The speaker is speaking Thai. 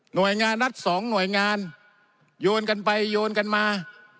โดยงานรัฐสองหน่วยงานโยนกันไปโยนกันมา